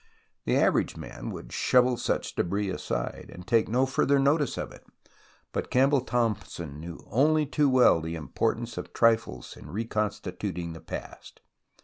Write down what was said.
The average man would shovel such debris aside, and take no further notice of it, but Campbell Thomson knew only too well the importance of trifles in reconstituting the past.